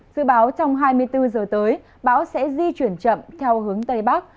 dự báo trong hai mươi bốn giờ tới bão sẽ di chuyển chậm theo hướng tây bắc